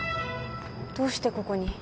どうしてここに？